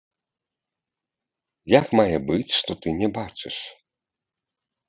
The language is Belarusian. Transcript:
Як мае быць, што ты не бачыш?